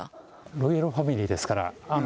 ロイヤルファミリーですから。